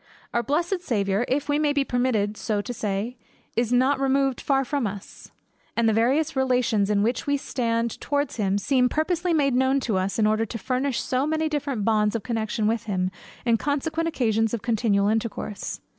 Our blessed Saviour, if we may be permitted so to say, is not removed far from us; and the various relations in which we stand towards him, seem purposely made known to us, in order to furnish so many different bonds of connection with him, and consequent occasions of continual intercourse.